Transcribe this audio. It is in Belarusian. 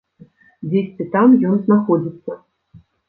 Дзесьці там ён знаходзіцца.